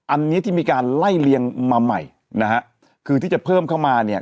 อันนี้ที่มีการไล่เลียงมาใหม่นะฮะคือที่จะเพิ่มเข้ามาเนี่ย